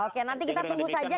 oke nanti kita tunggu saja